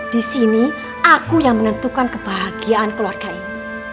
di sini aku yang menentukan kebahagiaan keluarga ini